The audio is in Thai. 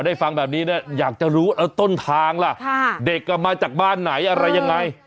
ฟังแบบนี้อยากจะรู้แล้วต้นทางล่ะเด็กมาจากบ้านไหนอะไรยังไง